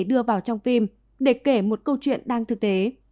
đưa vào trong phim để kể một câu chuyện đang thực tế